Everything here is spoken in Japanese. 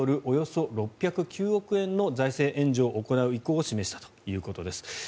およそ６０９億円の財政援助を行う意向を示したということです。